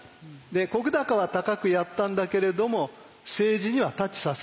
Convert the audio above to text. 石高は高くやったんだけれども政治にはタッチさせないという。